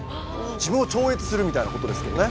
自分を超越するみたいなことですけどね。